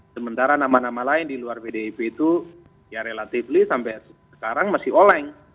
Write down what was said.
sementara nama nama lain di luar pdip itu ya relatively sampai sekarang masih oleng